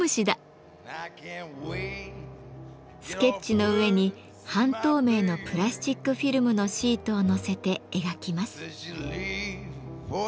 スケッチの上に半透明のプラスチックフィルムのシートを載せて描きます。